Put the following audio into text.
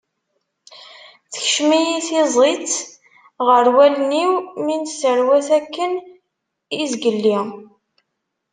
Tekcem-iyi tiẓẓit ɣer wallen-iw mi nesserwat akken izgelli.